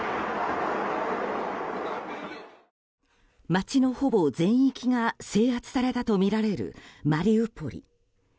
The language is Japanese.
街のほぼ全域が制圧されたとみられる、マリウポリ。